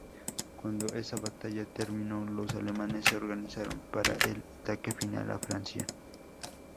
Cuando esa batalla terminó los alemanes se organizaron para el ataque final a Francia.